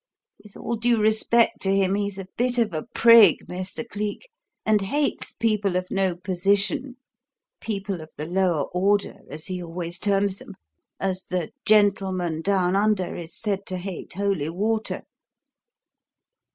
With all due respect to him, he's a bit of a prig, Mr. Cleek, and hates people of no position 'people of the lower order,' as he always terms them as the gentleman down under is said to hate holy water."